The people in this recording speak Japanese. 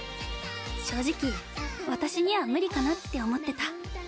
正直私には無理かなって思ってた。